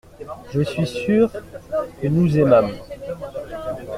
Je suis sûr que nous aimâmes.